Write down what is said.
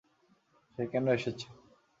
সে কেন এসেছে?